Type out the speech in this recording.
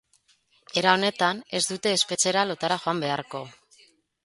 Era honetan, ez dute espetxera lotara joan beharko.